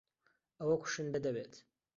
ئەوە کوشندە دەبێت.